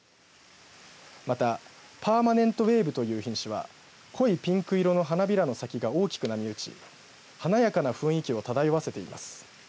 また、パーマネントウェーブという品種は濃いピンク色の花びらの先が大きく波打ち華やかな雰囲気を漂わせています。